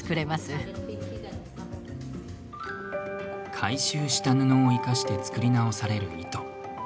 回収した布を生かして作り直される糸。